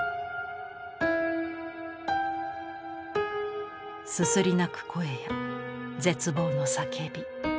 すすり泣く声や絶望の叫び。